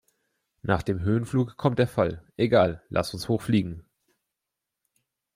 Nach dem Höhenflug kommt der Fall. Egal, lass uns hoch fliegen!